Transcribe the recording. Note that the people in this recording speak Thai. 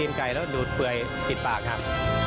ไก่แล้วดูดเปื่อยติดปากครับ